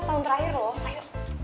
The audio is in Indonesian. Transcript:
tahun terakhir loh ayo